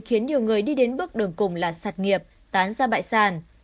khiến nhiều người đi đến bước đường cùng là sạt nghiệp tán ra bại sàn